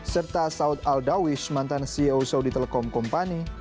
serta saud al dawish mantan ceo saudi telekom company